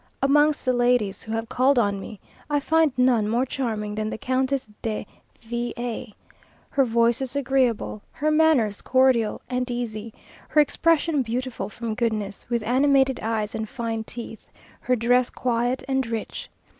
Amongst the ladies who have called on me, I find none more charming than the Countess de V a. Her voice is agreeable, her manners cordial and easy, her expression beautiful from goodness, with animated eyes and fine teeth, her dress quiet and rich.